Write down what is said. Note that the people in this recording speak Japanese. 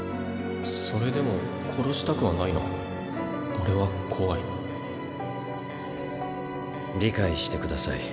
それでも殺したくはないな俺は怖い理解してください。